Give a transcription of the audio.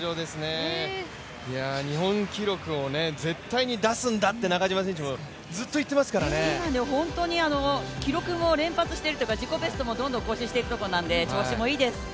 日本記録を絶対に出すんだって中島選手も今、記録も連発しているというか自己ベストもどんどん更新しているところなので、調子もいいです。